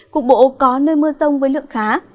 cục bộ có nơi mưa rông với lượng khá